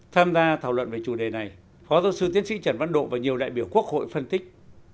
tham gia thảo luận về chủ đề này phó giáo sư tiến sĩ trần văn độ và nhiều đại biểu quốc hội phân tích